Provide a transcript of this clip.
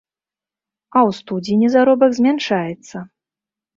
А ў студзені заробак змяншаецца.